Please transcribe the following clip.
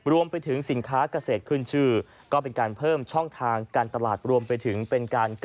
รวมไปถึงสินค้ากเศษขึ้นชื่อ